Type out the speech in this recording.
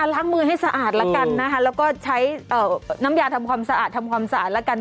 ล้างมือให้สะอาดแล้วกันนะคะแล้วก็ใช้น้ำยาทำความสะอาดทำความสะอาดแล้วกัน